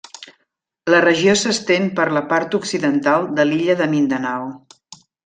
La regió s'estén per la part occidental de l'illa de Mindanao.